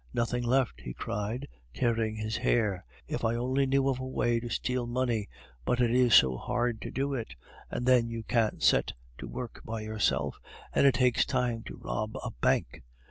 "Nothing left!" he cried, tearing his hair. "If I only knew of a way to steal money, but it is so hard to do it, and then you can't set to work by yourself, and it takes time to rob a bank.